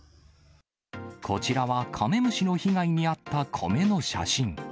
こちらはカメムシの被害に遭った米の写真。